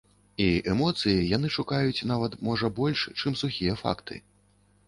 І эмоцыі яны шукаюць нават можа больш, чым сухія факты.